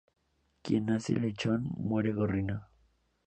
Quien nace lechón, muere gorrino